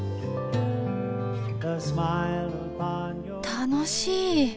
楽しい。